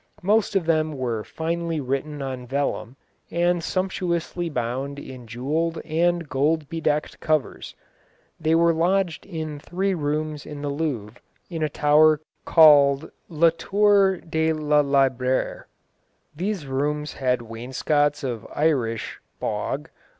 Most of them were finely written on vellum, and sumptuously bound in jewelled and gold bedecked covers. They were lodged in three rooms in the Louvre, in a tower called "La Tour de la libraire." These rooms had wainscots of Irish [bog?